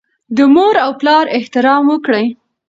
د مور او پلار احترام وکړئ.